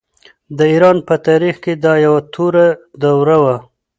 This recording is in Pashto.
د ایران په تاریخ کې دا یوه توره دوره وه.